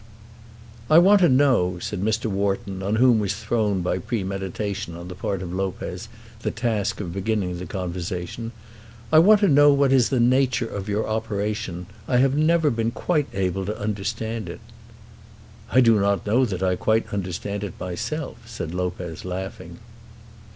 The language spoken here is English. "I want to know," said Mr. Wharton, on whom was thrown by premeditation on the part of Lopez the task of beginning the conversation, "I want to know what is the nature of your operation. I have never been quite able to understand it." "I do not know that I quite understand it myself," said Lopez, laughing.